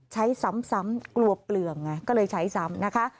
ใช้ซ้ำกลัวเปลืองไงก็เลยใช้ซ้ำนะคะ